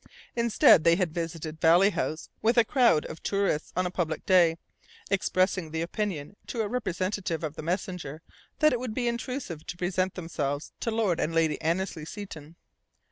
Instead they had visited Valley House with a crowd of tourists on a public day, expressing the opinion to a representative of the Messenger that it would be "intrusive" to present themselves to Lord and Lady Annesley Seton.